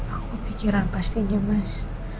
aku kepikiran pastinya mas